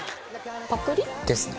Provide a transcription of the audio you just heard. パクリ？ですね。